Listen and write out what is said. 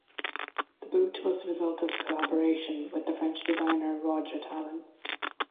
The boot was the result of collaboration with the French designer Roger Tallon.